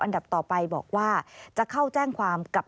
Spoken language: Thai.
ดับต่อไปบอกว่าจะเข้าแจ้งความกับ